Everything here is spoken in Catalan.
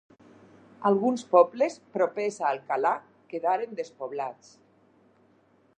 Alguns pobles propers a Alcalà quedaren despoblats.